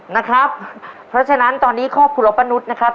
นะครับเพราะฉะนั้นตอนนี้ครอบครัวป้านุษย์นะครับ